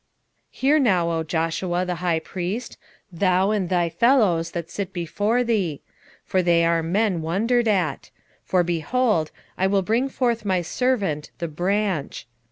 3:8 Hear now, O Joshua the high priest, thou, and thy fellows that sit before thee: for they are men wondered at: for, behold, I will bring forth my servant the BRANCH.